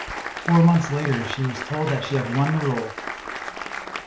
Four months later, she was told that she had won the role.